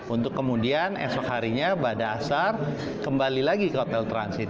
untuk kemudian esok harinya pada asar kembali lagi ke hotel transit